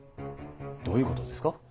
どういうことですか。